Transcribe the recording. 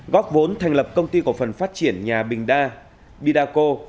góp vốn thành lập công ty cổ phần phát triển nhà bình đa bidaco